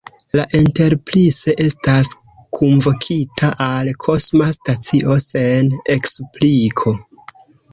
La Enterprise estas kunvokita al kosma stacio sen ekspliko.